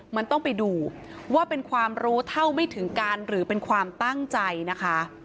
มันต้องไปดูว่าเป็นความรู้เท่าไม่ถึงการหรือเป็นความตั้งใจนะคะ